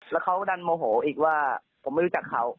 แล้วเขาดันโมโหอีกว่าผมไม่รู้จักเขา